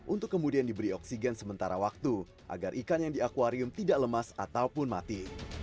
untuk kemudian diberi oksigen sementara waktu agar ikan yang di akwarium tidak lemas ataupun mati